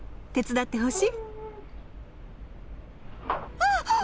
あっ！？